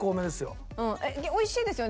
美味しいですよね？